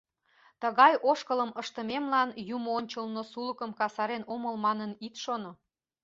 Тыгай ошкылым ыштымемлан Юмо ончылно сулыкем касарен омыл манын, ит шоно.